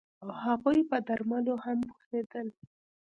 او هغوی په درملو هم پوهیدل